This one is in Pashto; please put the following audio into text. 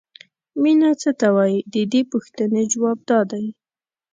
مینه څه ته وایي د دې پوښتنې ځواب دا دی.